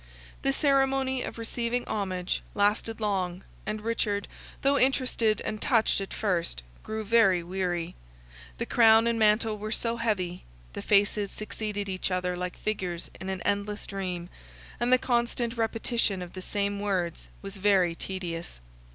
The ceremony of receiving homage lasted long and Richard, though interested and touched at first, grew very weary; the crown and mantle were so heavy, the faces succeeded each other like figures in an endless dream, and the constant repetition of the same words was very tedious.